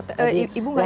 jadi ibu gak ikut